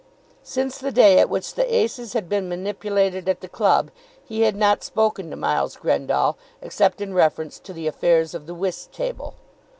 Since the day at which the aces had been manipulated at the club he had not spoken to Miles Grendall except in reference to the affairs of the whist table.